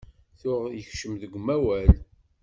Tuɣ ikcem deg umawal.